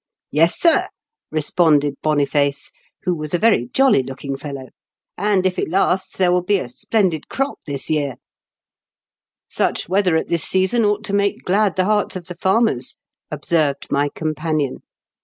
"Yes, sir," responded BonifacQ, who was a very jolly looking fellow. " And, if it lasts, there will be a splendid crop this year." A BOUOHTON BONIFACE. 137 " Such weather at this season ought to make glad the hearts of the fanners," observed my companion.